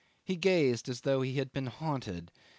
He gazed as though he had been haunted.